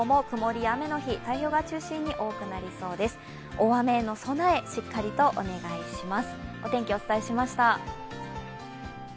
大雨への備え、しっかりとお願いします。